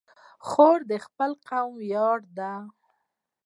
خور د خپل قوم ویاړ ده.